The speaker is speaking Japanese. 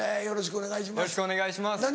よろしくお願いします。